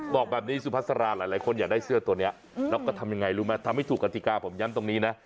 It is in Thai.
บอกแบบนี้สุภาษาราหลายคนอยากได้เสื้อตัวนี้แล้วก็ทำยังไงรู้ไหมทำให้ถูกกฎิกาผมย้ำตรงนี้นะ